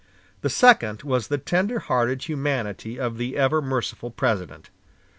The second was the tender hearted humanity of the ever merciful President.